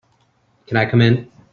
Can I come in?